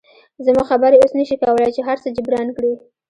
زموږ خبرې اوس نشي کولی چې هرڅه جبران کړي